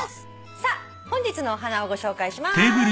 さあ本日のお花をご紹介します。